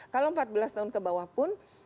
kalau empat belas tahun ke bawah pun